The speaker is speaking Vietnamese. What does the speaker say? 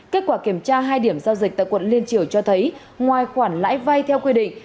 kết quả kiểm tra hai điểm giao dịch tại quận liên triều cho thấy ngoài khoản lãi vay theo quy định